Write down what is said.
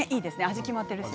味が決まっているし。